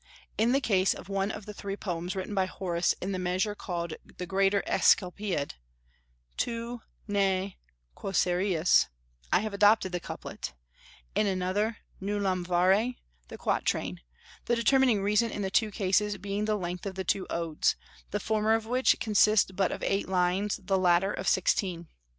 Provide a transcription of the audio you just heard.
In the case of one of the three poems written by Horace in the measure called the greater Asclepiad, ("Tu ne quoesieris,") I have adopted the couplet; in another ("Nullam, Vare,") the quatrain, the determining reason in the two cases being the length of the two Odes, the former of which consists but of eight lines, the latter of sixteen.